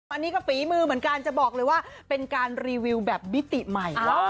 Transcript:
อันนี้ก็ฝีมือเหมือนกันจะบอกเลยว่าเป็นการรีวิวแบบมิติใหม่